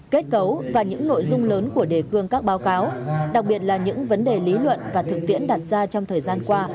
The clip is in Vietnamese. kết cấu và những nội dung lớn của đề cương các báo cáo đặc biệt là những vấn đề lý luận và thực tiễn đặt ra trong thời gian qua